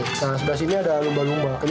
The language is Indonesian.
nah di sebelah sini ada lumba lumba